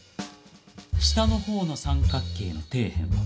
下の方の三角形の底辺は９０ｍ。